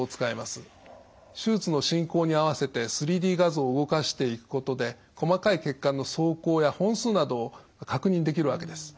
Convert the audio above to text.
手術の進行に合わせて３Ｄ画像を動かしていくことで細かい血管の走行や本数などを確認できるわけです。